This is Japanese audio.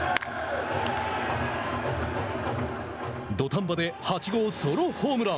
土壇場で８号ソロホームラン。